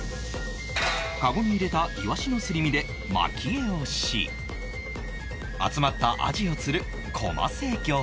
カゴに入れたイワシのすり身で撒き餌をし集まったアジを釣るコマセ漁法